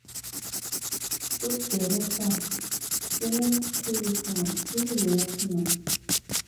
Cuk ɗerekka u kuluffa duk yoo kuna.